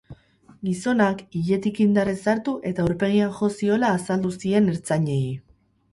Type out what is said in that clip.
Gizonak iletik indarrez hartu eta aurpegian jo ziola azaldu zien ertzainei.